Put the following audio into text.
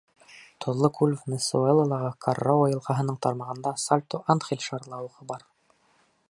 Тоҙло күл Венесуэлалағы Каррао йылғаһының тармағында Сальто Анхель шарлауығы бар.